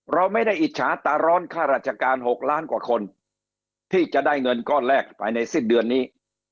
เราไม่ได้อิจฉาตาร้อนค่าราชการ๖ล้านกว่าคนที่จะได้เงินก้อนแรกภายในสิ้นเดือนนี้